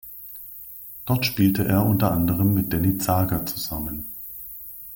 Dort spielte er unter anderem mit Denny Zager zusammen.